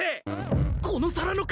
この皿の数。